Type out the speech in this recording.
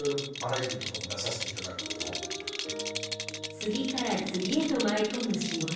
次から次へと舞い込む仕事。